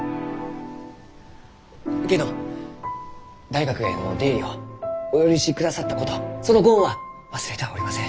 けんど大学への出入りをお許しくださったことそのご恩は忘れてはおりません。